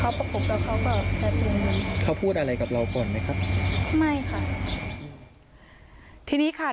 เขาประกบกับเขาก็แบบเขาพูดอะไรกับเราก่อนไหมครับไม่ค่ะทีนี้ค่ะ